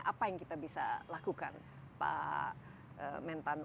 apa yang kita bisa lakukan pak mentan